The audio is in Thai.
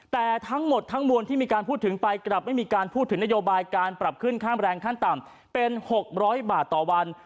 แต่ทั้งหมดทั้งมวลที่มีการพูดถึงไปกลับไม่มีการพูดถึงนโยบายการปรับขึ้นค่าแรงขั้นต่ำเป็น๖๐๐บาทต่อวัน